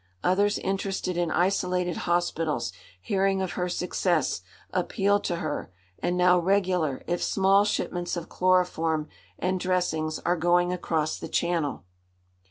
Others interested in isolated hospitals, hearing of her success, appealed to her; and now regular, if small, shipments of chloroform and dressings are going across the Channel.